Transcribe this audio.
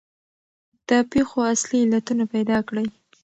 د پېښو اصلي علتونه پیدا کړئ.